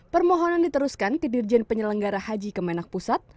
permohonan diteruskan ke dirjen penyelenggara haji kemenak pusat